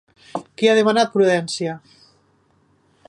Qui ha demanat prudència?